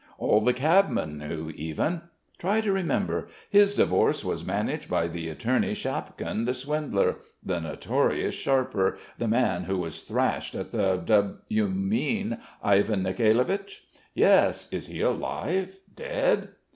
All the cabmen knew, even. Try to remember. His divorce was managed by the attorney, Shapkin, the swindler ... the notorious sharper, the man who was thrashed at the dub...." "You mean Ivan Nicolaich?" "Yes.... Is he alive? dead?"